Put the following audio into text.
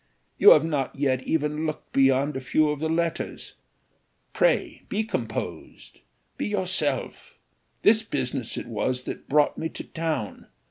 You have not yet even looked beyond a few of the letters pray be composed be yourself. This business it was that brought me to town.